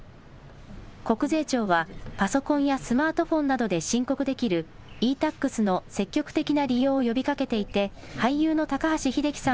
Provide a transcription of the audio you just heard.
国税庁はパソコンやスマートフォンなどで申告できるｅ−Ｔａｘの積極的な利用を呼びかけていて俳優の高橋英樹さん